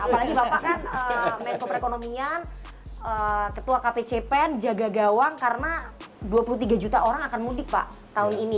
apalagi bapak kan menko perekonomian ketua kpcpen jaga gawang karena dua puluh tiga juta orang akan mudik pak tahun ini